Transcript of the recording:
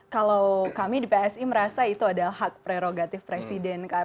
kalau kami di psi merasa itu adalah hak prerogatif presiden